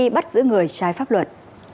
bắt giữ người trái pháp luật